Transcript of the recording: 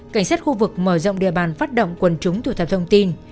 cảnh sát khu vực mở rộng địa bàn phát động quần trúng thủ thập thông tin